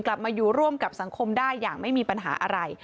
กลับมาอยู่ร่วมกับสังคมได้อย่างไม่มีปัญหาอะไร